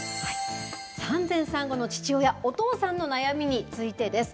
産前産後の父親、お父さんの悩みについてです。